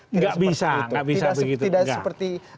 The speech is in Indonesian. gak bisa gak bisa begitu tidak seperti